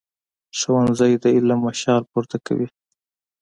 ښوونځی د علم مشال پورته کوي